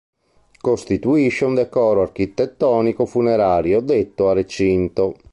Costituisce un decoro architettonico funerario detto "a recinto".